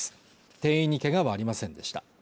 店員にけがはありませんでした